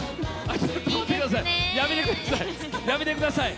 やめてください！